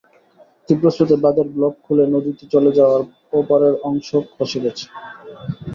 তীব্র স্রোতে বাঁধের ব্লক খুলে নদীতে চলে যাওয়ায় ওপরের অংশ খসে পড়ছে।